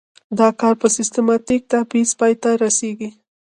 دا کار په سیستماتیک تبعیض پای ته رسیږي.